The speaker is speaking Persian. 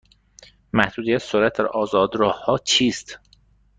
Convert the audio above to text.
محدودیت سرعت در آزاد راه ها چیست؟